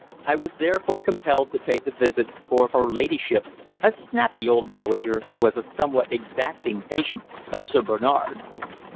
I was therefore compelled to pay the visit, for her ladyship a snappy old dowager was a somewhat exacting patient of Sir Bernard's.